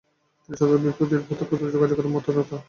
তিনি সশস্ত্র বিপ্লবীদের সাথে প্রত্যক্ষ যোগাযোগকারী ও মদতদাতা।